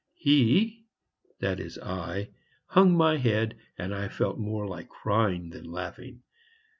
He, that is, I, hung my head, and I felt more like crying than laughing.